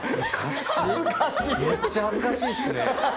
めっちゃ恥ずかしいっすね。